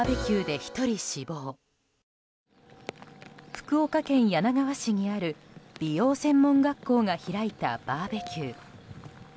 福岡県柳川市にある美容専門学校が開いたバーベキュー。